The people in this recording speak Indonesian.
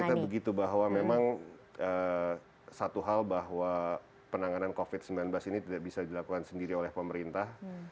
ternyata begitu bahwa memang satu hal bahwa penanganan covid sembilan belas ini tidak bisa dilakukan sendiri oleh pemerintah